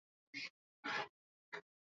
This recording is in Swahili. Watu hukuja mombasa ili kujilaza baharini